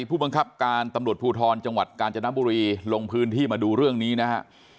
ผู้บังคับการตำรวจภูทรจังหวัดกาญจนบุรีลงพื้นที่มาดูเรื่องนี้นะฮะ